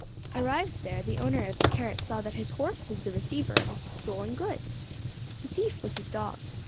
Arrived there, the owner of the carrots saw that his horse was the receiver of his stolen goods. The thief was his dog.